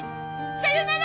さよなら！